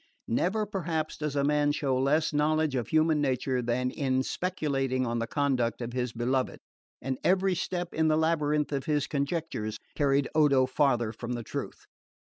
Never perhaps does a man show less knowledge of human nature than in speculating on the conduct of his beloved; and every step in the labyrinth of his conjectures carried Odo farther from the truth.